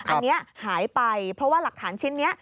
อันนี้หายไปเพราะว่าหลักฐานชิ้นนี้